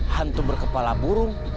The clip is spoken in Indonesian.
hantu berkepala burung